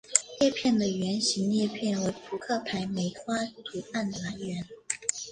叶片的圆形裂片为扑克牌梅花图案的来源。